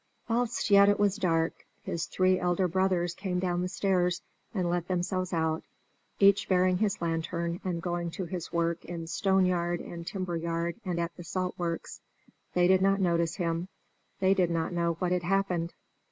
Whilst yet it was dark his three elder brothers came down the stairs and let themselves out, each bearing his lantern and going to his work in stone yard and timber yard and at the salt works. They did not notice him; they did not know what had happened.